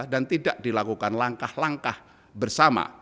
tidak dilakukan langkah langkah bersama